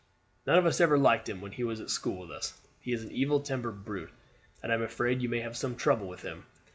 "None of us ever liked him when he was at school with us. He is an evil tempered brute, and I am afraid you may have some trouble with him.